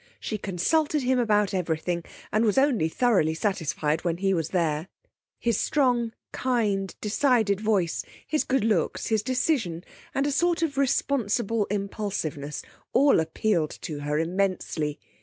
She consulted him about everything, and was only thoroughly satisfied when he was there. His strong, kind, decided voice, his good looks, his decision, and a sort of responsible impulsiveness, all appealed to her immensely.